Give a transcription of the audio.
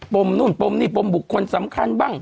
มนู่นปมนี่ปมบุคคลสำคัญบ้าง